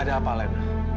ada apa lain